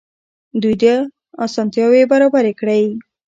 دوی ته اسانتیاوې برابرې کړئ.